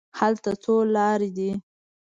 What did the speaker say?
هلته څو لارې دي.